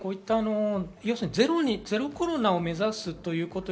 これからゼロコロナを目指すということに。